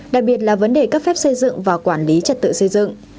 đặc biệt là vấn đề cấp phép xây dựng và quản lý trật tự xây dựng